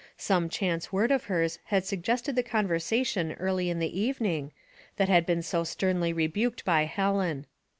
Some chance word of hers had suggested the conversation early in the evening, that had been so sternly rebuked by Helen.